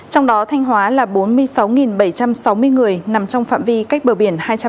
trong đó thanh hóa là bốn mươi sáu bảy trăm sáu mươi người nằm trong phạm vi cách bờ biển hai trăm linh